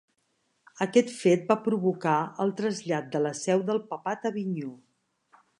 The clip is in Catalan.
Aquest fet va provocar el trasllat de la seu del papat a Avinyó.